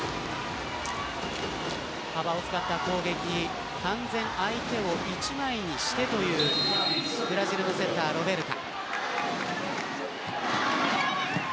幅を使った攻撃完全に相手を１枚にしてというブラジルのセンター、ロベルタ。